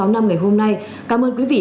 sáu năm ngày hôm nay cảm ơn quý vị